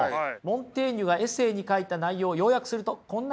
モンテーニュが「エセー」に書いた内容を要約するとこんな感じです。